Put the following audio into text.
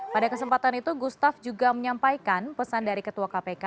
pada kesempatan itu gustaf juga menyampaikan pesan dari ketua kpk